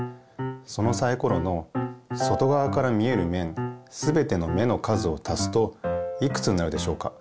そのサイコロの外側から見えるめんすべての目の数をたすといくつになるでしょうか？